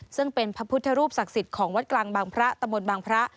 ซึ่งเป็นพระพุทธรูปศักดิ์สิทธิ์ของวัดกลางบางพระตะมนต์บางพระ